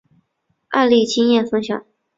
案例经验分享